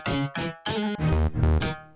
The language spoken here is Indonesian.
ya aku mau